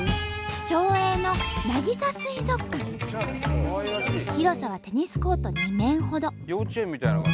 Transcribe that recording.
町営の広さはテニスコート２面ほど。